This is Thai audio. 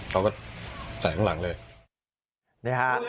เขาก็แสงข้างหลังเลย